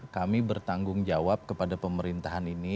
kami bertanggung jawab kepada pemerintahan ini